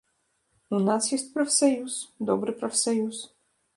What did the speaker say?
У нас ёсць прафсаюз, добры прафсаюз.